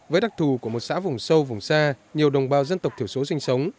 với đặc thù của một xã vùng sâu vùng xa nhiều đồng bào dân tộc thiểu số sinh sống